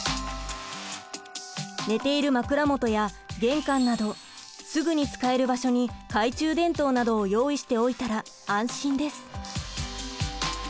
寝ている枕元や玄関などすぐに使える場所に懐中電灯などを用意しておいたら安心です。